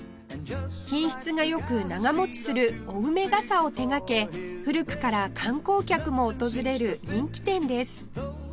品質が良く長持ちする青梅傘を手がけ古くから観光客も訪れる人気店です